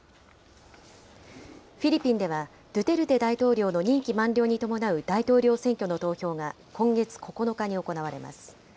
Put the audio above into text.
フィリピンでは、ドゥテルテ大統領の任期満了に伴う大統領選挙の投票が今月９日に行われます。